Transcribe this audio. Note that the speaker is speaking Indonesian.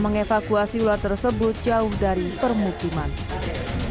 dievakuasi ular tersebut jauh dari permukiman hai sudah